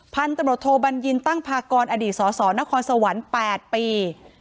พันธบทโทบัญญินตั้งพากรอดีตศาสตร์นครสวรรพ์ปี